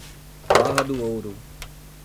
Barra do Ouro